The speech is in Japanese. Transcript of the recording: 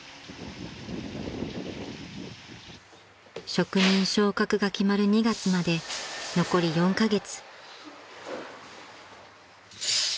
［職人昇格が決まる２月まで残り４カ月］